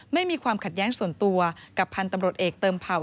ไม่มีความขัดแย้งส่วนตัวกับพันธุ์ตำรวจเอกเติมเผ่า